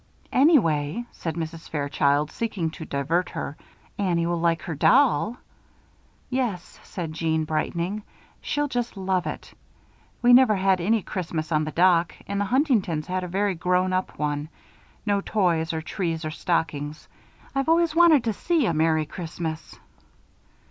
"Anyway," said Mrs. Fairchild, seeking to divert her, "Annie will like her doll." "Yes," said Jeanne, brightening, "she'll just love it. We never had any Christmas on the dock and the Huntingtons had a very grown up one no toys or trees or stockings. I've always wanted to see a 'Merry Christmas.'"